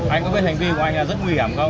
anh có biết hành vi của anh là rất nguy hiểm không